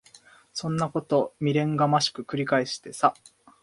そんなこと未練がましく繰り返してさ。